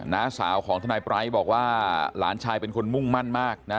น้าสาวของทนายปร้ายบอกว่าหลานชายเป็นคนมุ่งมั่นมากนะ